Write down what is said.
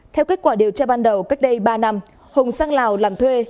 theo kết quả điều tra ban đầu cách đây ba năm hùng sang lào làm thuê